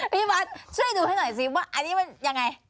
พี่วัดช่วยดูให้หน่อยสิว่าอันนี้มันยังไง